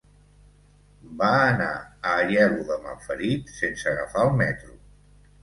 Va anar a Aielo de Malferit sense agafar el metro.